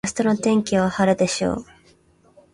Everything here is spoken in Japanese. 明日の天気は晴れでしょう。